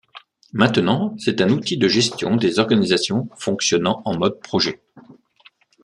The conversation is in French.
Maintenant c'est un outil de gestion des organisations fonctionnant en mode projet.